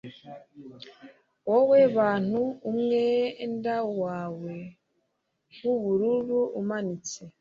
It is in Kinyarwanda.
Wowe Bantu umwenda wawe wubururu umanitse